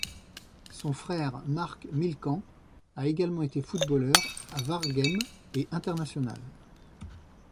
Son frère Marc Millecamps a également été footballeur à Waregem et international.